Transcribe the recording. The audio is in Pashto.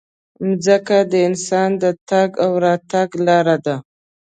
مځکه د انسان د تګ او راتګ لاره ده.